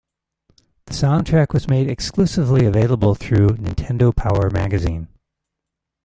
The soundtrack was made exclusively available through "Nintendo Power" magazine.